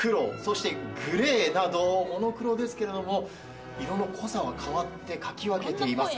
黒、グレーなどモノクロですけども色の濃さは変わって、描き分けています。